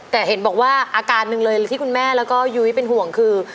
แต่เห็นบอกว่าอาการหนึ่งเลยที่คุณแม่แล้วก็ยุ้ยเป็นห่วงคือ